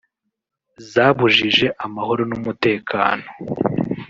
zabujije amahoro n’umutekano